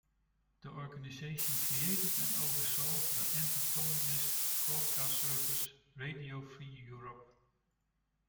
The organization created and oversaw the anti-communist broadcast service Radio Free Europe.